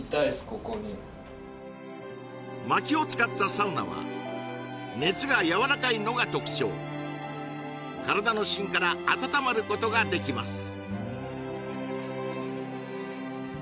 ここに薪を使ったサウナは熱がやわらかいのが特徴体の芯から温まることができます